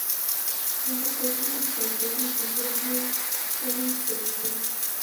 No fue posible reconstruir las pinturas murales que existían antes del incendio.